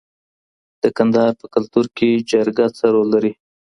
د کندهار په کلتور کي جرګه څه رول لري؟